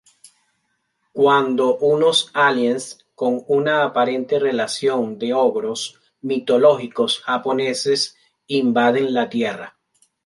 Cuando unos aliens con una aparente relación de ogros mitológicos japoneses invaden la tierra.